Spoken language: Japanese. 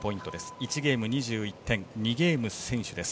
１ゲーム２１点２ゲーム先取です。